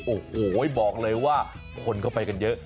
โอ้โหบอกเลยว่าคนเข้าไปกันเยอะ